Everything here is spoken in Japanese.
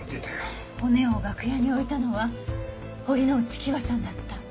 骨を楽屋に置いたのは堀之内希和さんだった。